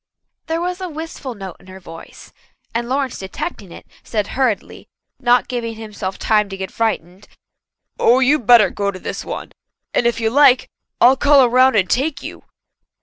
There was a wistful note in her voice, and Lawrence detecting it, said hurriedly, not giving himself time to get frightened: "Oh, you'd better go to this one. And if you like, I'll call around and take you."